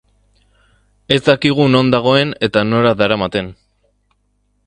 Ez dakigu non dagoen eta nora daramaten.